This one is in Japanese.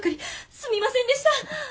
すみませんでした！